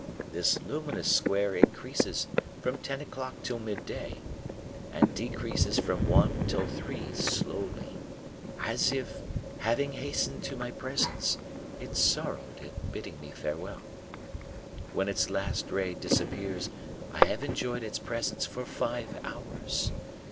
This luminous square increases from ten o'clock till midday, and decreases from one till three slowly, as if, having hastened to my presence, it sorrowed at bidding me farewell. When its last ray disappears I have enjoyed its presence for five hours.